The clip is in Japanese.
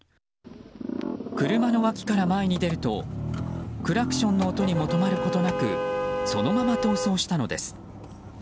車の脇から前に出るとクラクションの音にも止まることなくそのまま逃走したのです。